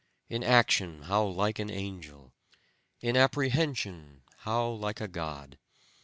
In action how like an angel! In apprehension how like a god!